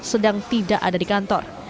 sedang tidak ada di kantor